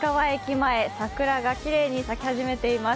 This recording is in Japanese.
前、桜がきれいに咲き始めています。